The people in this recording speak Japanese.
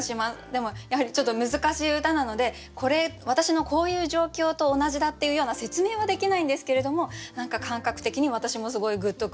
でもやはりちょっと難しい歌なのでこれ私のこういう状況と同じだっていうような説明はできないんですけれども何か感覚的に私もすごいグッと来る歌でした。